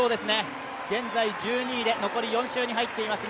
現在１２位で、残り４周に入っています